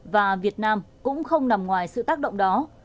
và việt nam cũng không nằm ngoài sự tác động đó